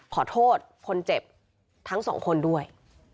ขอโทษคนเจ็บทั้งสองคนด้วย